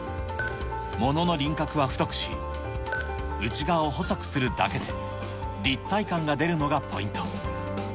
物の輪郭は太くし、内側を細くするだけで、立体感が出るのがポイント。